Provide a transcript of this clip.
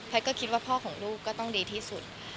ก็คิดว่าพ่อของลูกก็ต้องดีที่สุด